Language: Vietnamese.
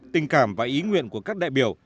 tình cảm và ý nguyện của các đại biểu